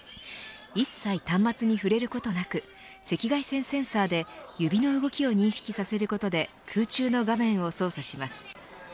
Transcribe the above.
一切端末に触れることなく赤外線センサーで指の動きを認識させることで空中の画面を操作します。